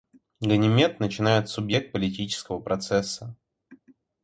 Ганимед начинает субъект политического процесса.